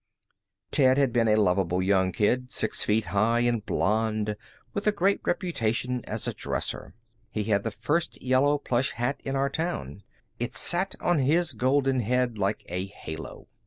Ted had been a lovable young kid, six feet high, and blonde, with a great reputation as a dresser. He had the first yellow plush hat in our town. It sat on his golden head like a halo.